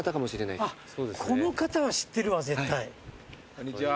こんにちは。